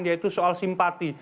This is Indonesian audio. yaitu soal simpati